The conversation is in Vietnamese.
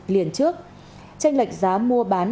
liền trước tranh lệch giá mua bán